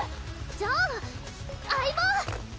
じゃあ相棒！